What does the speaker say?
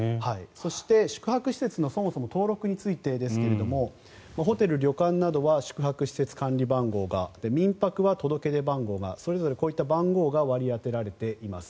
そして宿泊施設のそもそも登録についてですがホテル・旅館などは宿泊施設管理番号があって民泊は届け出番号がそれぞれこういった番号が割り当てられています。